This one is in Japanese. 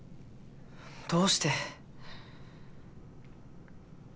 どうして？